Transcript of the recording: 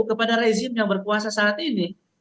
tapi juga rezim yang berkuasa saat ini